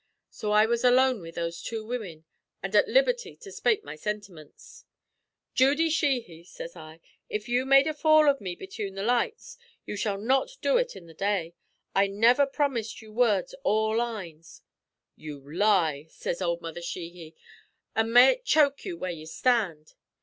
So I was alone with those two women, and at liberty to spake me sintiments. "'Judy Sheehy,' sez I, 'if you made a fool av me betune the lights, you shall not do ut in the day. I never promised you words or lines.' "'You lie!' sez ould Mother Sheehy; 'an' may ut choke you where you stand!'